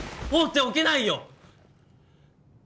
放っておけないよ！